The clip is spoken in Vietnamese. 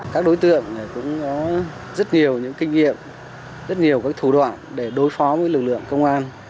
các đối tượng cũng có rất nhiều những kinh nghiệm rất nhiều các thủ đoạn để đối phó với lực lượng công an